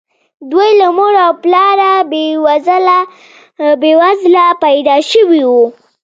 دوی له مور او پلاره بې وزله پيدا شوي وو.